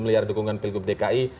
meliar dukungan pilgub dki